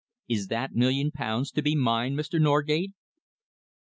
Is that million pounds to be mine, Mr. Norgate?"